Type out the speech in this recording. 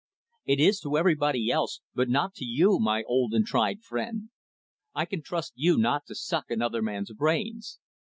"It is to everybody else, but not to you, my old and tried friend. I can trust you not to suck another man's brains.